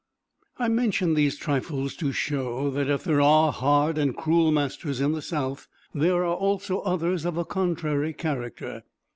I mention these trifles to show, that if there are hard and cruel masters in the South, there are also others of a contrary character.